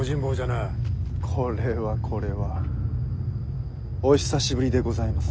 これはこれはお久しぶりでございます。